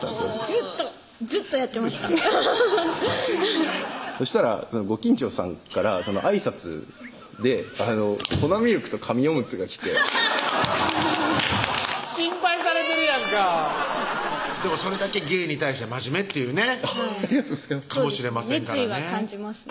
ずっとずっとやってましたそしたらご近所さんからあいさつで粉ミルクと紙おむつが来て心配されてるやんかでもそれだけ芸に対して真面目っていうねありがとうございます